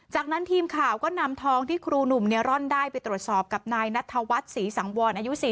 จากนั้นทีมข่าวก็นำทองที่ครูหนุ่มเนร่อนได้ไปตรวจสอบกับนายนัทวัฒน์ศรีสังวรอายุ๔๐